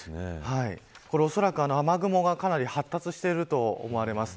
おそらく雨雲がかなり発達していると思います。